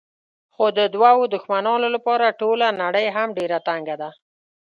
خو د دوو دښمنانو لپاره ټوله نړۍ هم ډېره تنګه ده.